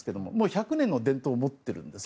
１００年の伝統を持っているんです。